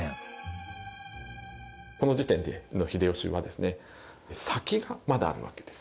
この時点の秀吉は先がまだあるわけです。